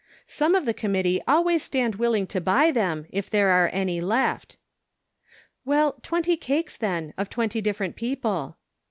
Some of the committee always stand willing to buy them if there are any left," " Well, twenty cakes then, of twenty different people."